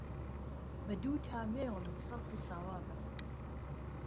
به دووتا وێڵم سهڵت و ساوا به